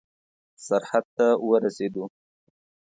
سرحد ته ورسېدو.